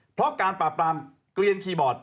เพราะการปราบปรามเกลียนคีย์บอร์ด